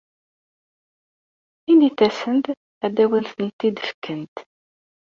Init-asent ad awen-tent-id-fkent.